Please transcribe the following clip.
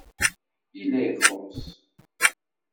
Yella ixuṣṣ.